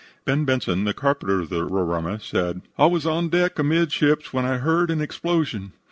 "Ben" Benson, the carpenter of the Roraima, said: "I was on deck, amidships, when I heard an explosion.